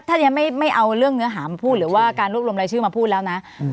ถ้ายังไม่เอาเรื่องเนื้อหามาพูดหรือว่าการรวบรวมรายชื่อมาพูดแล้วนะ